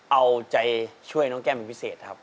เอาใจช่วยน้องแก้มเป็นพิเศษครับ